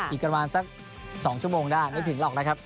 อีกประมาณสัก๒ชั่วโมงได้ไม่ถึงหรอกนะครับ